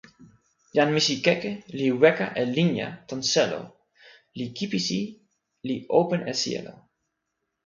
jan misikeke li weka e linja tan selo li kipisi li open e sijelo.